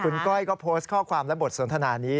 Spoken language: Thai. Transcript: คุณก้อยก็โพสต์ข้อความและบทสนทนานี้